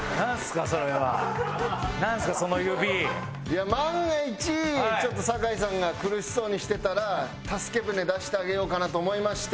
いや万が一ちょっと酒井さんが苦しそうにしてたら助け舟出してあげようかなと思いまして。